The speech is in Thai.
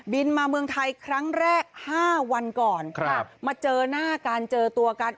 บินมาเมืองไทยครั้งแรก๕วันก่อนครับมาเจอหน้ากันเจอตัวกัน